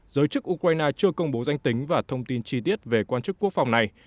giới chức ukraine chưa công bố danh tính và thông tin chi tiết về quan chức quốc phòng này